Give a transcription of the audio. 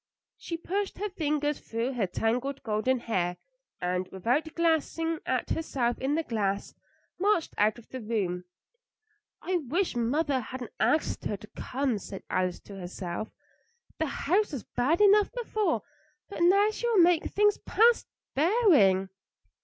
She pushed her fingers through her tangled golden hair, and, without glancing at herself in the glass, marched out of the room. "I wish mother hadn't asked her to come," said Alice to herself. "The house was bad enough before, but now she will make things past bearing."